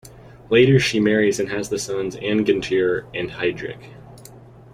Later she marries and has the sons Angantyr and Heidrek.